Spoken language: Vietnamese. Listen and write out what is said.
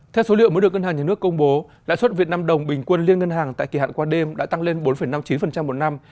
theo số liệu mới được ngân hàng nhà nước công bố lãi suất việt nam đồng bình quân liên ngân hàng tại kỳ hạn qua đêm đã tăng lên bốn năm mươi chín một năm